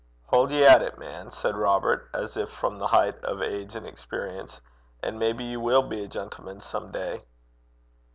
'Haud ye at it, man,' said Robert, as if from the heights of age and experience, 'and maybe ye will be a gentleman some day.'